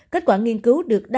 kết quả nghiên cứu được đảm bảo